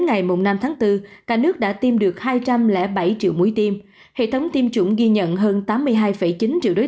ngày năm tháng bốn cả nước đã tiêm được hai trăm linh bảy triệu mũi tiêm hệ thống tiêm chủng ghi nhận hơn tám mươi hai chín triệu đối